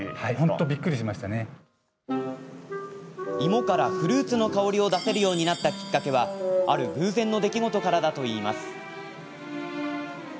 芋からフルーツの香りを出せるようになったきっかけはある偶然の出来事からだといいます。